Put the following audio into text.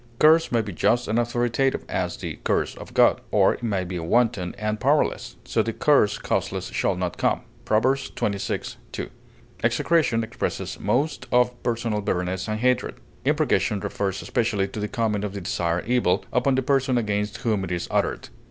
Curse may be just and authoritative; as, the curse of God; or, it may be wanton and powerless: "so the curse causeless shall not come," Prov. xxvi, 2. Execration expresses most of personal bitterness and hatred; imprecation refers especially to the coming of the desired evil upon the person against whom it is uttered.